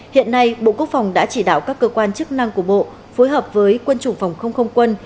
hiện nay bộ quốc phòng đã chỉ đạo các cơ quan chức năng của bộ phối hợp với quân chủng phòng không không quân